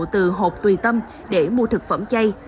từ hộp tùy tâm để mua thực phẩm chay